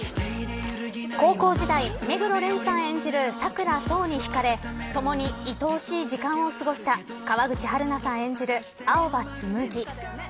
高校時代目黒蓮さん演じる佐倉想にひかれともにいとおしい時間を過ごした川口春奈さん演じる、青羽紬。